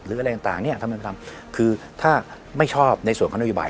หรืออะไรต่างต่างเนี่ยทำไมไม่ทำคือถ้าไม่ชอบในส่วนคณะวิบาย